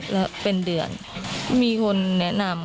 แล้วเป็นเดือนมีคนแนะนำ